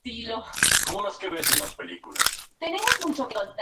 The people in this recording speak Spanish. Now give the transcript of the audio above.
Manfredo instaló definitivamente la capital del marquesado en Saluzzo.